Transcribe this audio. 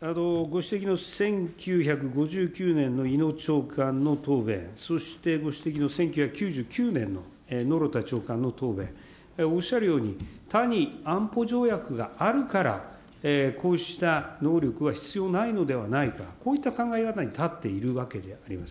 ご指摘の１９５９年の伊能長官の答弁、そしてご指摘の１９９９年の野呂田長官の答弁、おっしゃるように、他に安保条約があるから、こうした能力は必要ないのではないか、こういった考え方に立っているわけであります。